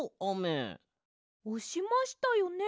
おしましたよね